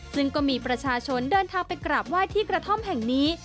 ซึ่งก็มีประชาชนเดินทางไปกราบไหว้ที่กระท่อมแห่งนี้